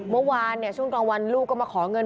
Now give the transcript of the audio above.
เมื่อวานช่วงกลางวันลูกก็มาขอเงิน